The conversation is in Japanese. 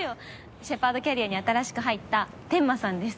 シェパードキャリアに新しく入った天間さんです。